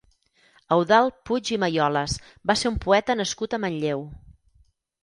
Eudald Puig i Mayolas va ser un poeta nascut a Manlleu.